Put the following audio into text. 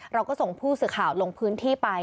เราก็ส่งผู้สื่อข่าวลงพื้นที่ไป